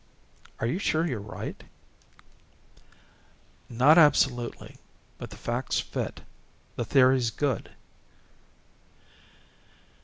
"Are you sure you're right?" "Not absolutely, but the facts fit. The theory's good."